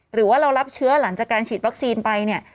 หรือว่าเรารับเชื้อหลังจากการฉีดวัคซีนไปเนี่ย